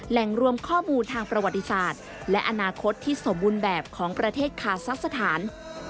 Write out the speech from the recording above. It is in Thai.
แหล่งรวมข้อมูลทางประวัติศาสตร์และอนาคตที่สมบูรณ์แบบของประเทศคาซักสถาน